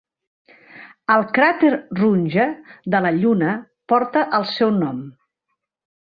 El cràter Runge de la Lluna porta el seu nom.